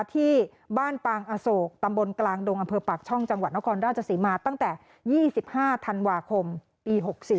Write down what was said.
ที่บ้านปางอโศกตำบลกลางดงอำเภอปากช่องจังหวัดนครราชศรีมาตั้งแต่๒๕ธันวาคมปี๖๔